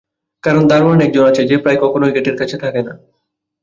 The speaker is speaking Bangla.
কারণ, দারোয়ান একজন আছে, যে প্রায় কখনোই গেটের কাছে থাকে না।